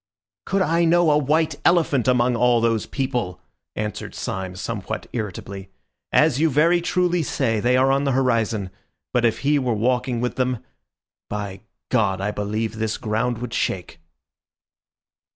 "Could I know a white elephant among all those people!" answered Syme somewhat irritably. "As you very truly say, they are on the horizon; but if he were walking with them... by God! I believe this ground would shake."